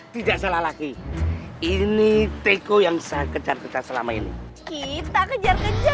tidak salah lagi ini teko yang saya kejar kecat selama ini kita kejar kejar